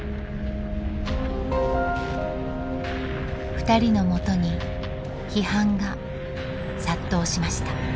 ふたりのもとに批判が殺到しました。